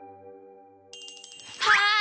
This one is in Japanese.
はい！